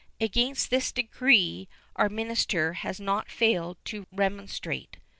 Against this decree our minister has not failed to remonstrate.